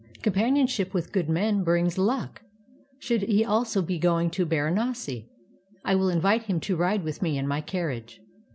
Companionship with good men brings luck; should he also be going to Baranasi, I will in\'ite him to ride with me in my carriage."